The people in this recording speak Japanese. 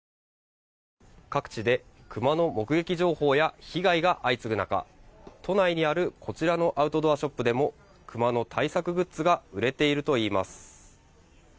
各地でクマの目撃情報や被害が相次ぐ中都内にあるこちらのアウトドアショップでもクマの対策グッズが売れているといいます。